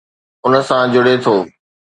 ان سان جڙي ٿو.